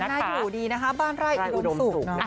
บ้านน่าอยู่ดีนะคะบ้านไร้อุดมสุข